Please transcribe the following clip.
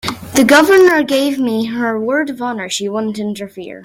The Governor gave me her word of honor she wouldn't interfere.